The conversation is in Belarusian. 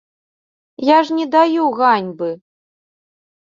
Я ж не даю ганьбы.